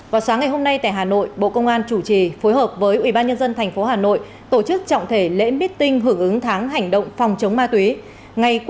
vào sáng ngày hôm nay tại hà nội bộ công an chủ trì phối hợp với ubnd tp hà nội tổ chức trọng thể lễ meeting hưởng ứng tháng hành động phòng chống ma túy